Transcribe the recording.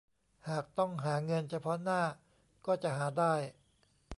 หากต้องหาเงินเฉพาะหน้าก็จะหาได้